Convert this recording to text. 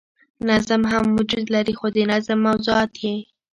نظم هم وجود لري خو د نظم موضوعات ئې